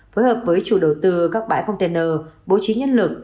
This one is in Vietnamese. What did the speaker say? phối hợp với chủ đầu tư các bãi container bố trí nhân lực